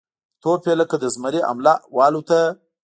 توپ یې لکه د زمري حمله والوته